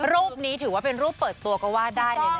รูปนี้ถือว่าเป็นรูปเปิดตัวก็ว่าได้เลยนะ